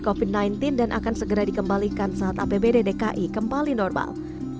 covid sembilan belas dan akan segera dikembalikan saat apbd dki kembali normal